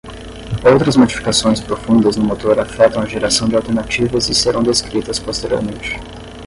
Outras modificações profundas no motor afetam a geração de alternativas e serão descritas posteriormente.